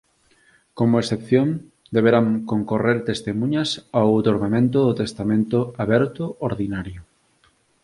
Como excepción, deberán concorrer testemuñas ao outorgamento do testamento aberto ordinario